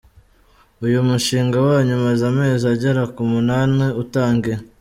com : Uyu mushinga wanyu umaze amezi agera ku munani utangiye.